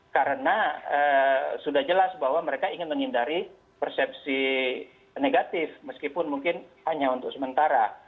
karena sudah jelas bahwa mereka ingin menghindari persepsi negatif meskipun mungkin hanya untuk sementara